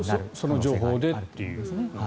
その情報でという。